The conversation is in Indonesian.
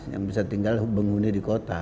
yang bisa tinggal menghuni di kota